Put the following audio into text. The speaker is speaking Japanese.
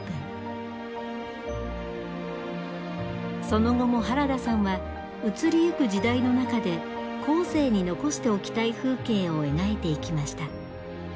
その後も原田さんは移りゆく時代の中で後世に残しておきたい風景を描いていきました。